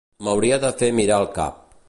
M'hauria de fer mirar el cap.